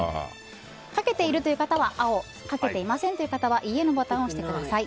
掛けているという方は青かけていませんという方はいいえのボタンを押してください。